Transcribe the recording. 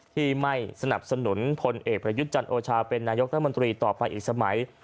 ที่ไม่สนับสนุนพลเอกประยุทธ์จันโอชาเป็นนายกรัฐมนตรีต่อไปอีกสมัย